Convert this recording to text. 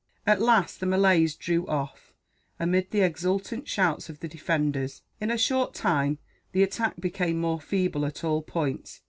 At last the Malays drew off, amid the exultant shouts of the defenders. In a short time, the attack became more feeble at all points.